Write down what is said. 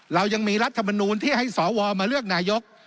เรายังมีรัฐมนูลที่ให้สวมาเลือกนายก